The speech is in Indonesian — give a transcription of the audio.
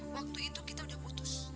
waktu itu kita udah putus